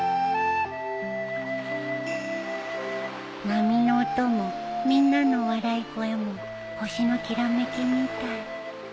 波の音もみんなの笑い声も星のきらめきみたい